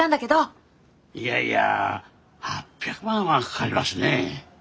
いやいや８００万はかかりますね。